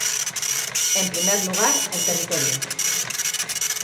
En primer lugar, el territorio.